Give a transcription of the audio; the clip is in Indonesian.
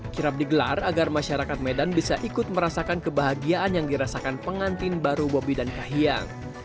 kirap digelar agar masyarakat medan bisa ikut merasakan kebahagiaan yang dirasakan pengantin baru bobi dan kahiyang